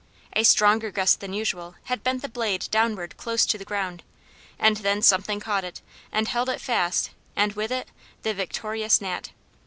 A stronger gust than usual had bent the blade downward close to the ground, and then something caught it and held it fast and with it the victorious Gnat.